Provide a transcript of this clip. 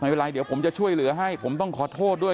ไม่เป็นไรเดี๋ยวผมจะช่วยเหลือให้ผมต้องขอโทษด้วย